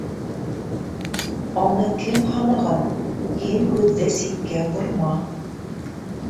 Аны кем һанаған... һин һүҙҙе ситкә борма.